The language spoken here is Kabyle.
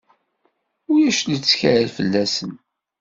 Ulac lettkal fell-asen.